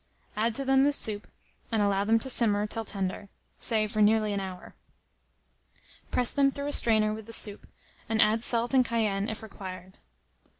Add to them the soup, and allow them to simmer till tender, say for nearly an hour. Press them through a strainer with the soup, and add salt and cayenne if required.